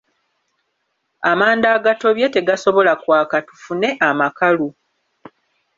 Amanda agatobye tegasobola kwaka tufune amakalu.